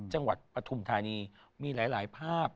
จังหวัดประทุมทายนีมีหลายภาพ